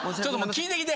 聞いてきて。